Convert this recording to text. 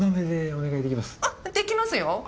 できますよ。